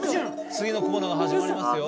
次のコーナーが始まりますよ。